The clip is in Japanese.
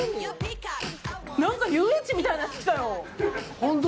何か遊園地みたいなやつ来たよ。